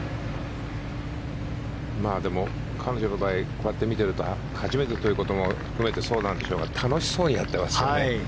彼女の場合こうやって見ていると初めてということも含めてそうなんでしょうが楽しそうにやってますよね。